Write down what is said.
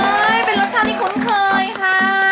ใช่เป็นรสชาติที่คุ้นเคยค่ะ